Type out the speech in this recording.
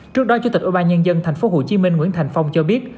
trước đó chủ tịch ủy ban nhân dân tp hcm nguyễn thành phong cho biết